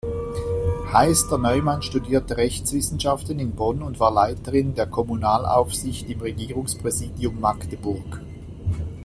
Heister-Neumann studierte Rechtswissenschaften in Bonn und war Leiterin der Kommunalaufsicht im Regierungspräsidium Magdeburg.